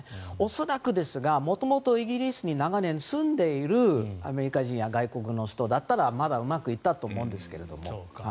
恐らくですが元々イギリスに長年、住んでいるアメリカ人や外国の人だったらまだうまくいったと思うんですけど。